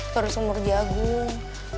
terus umur jagung